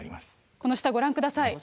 この下、ご覧ください。